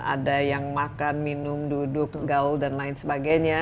ada yang makan minum duduk gaul dan lain sebagainya